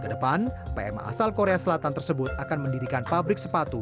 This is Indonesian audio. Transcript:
kedepan pma asal korea selatan tersebut akan mendirikan pabrik sepatu